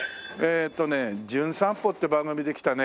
『じゅん散歩』って番組で来たね